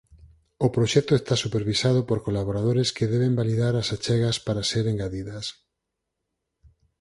O proxecto está supervisado por colaboradores que deben validar as achegas para ser engadidas.